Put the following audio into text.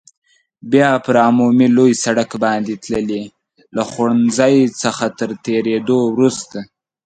بیا پر عمومي لوی سړک باندې تللې، له خوړنځای څخه تر تېرېدو وروسته.